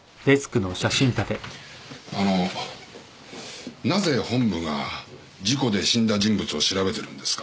あのなぜ本部が事故で死んだ人物を調べてるんですか？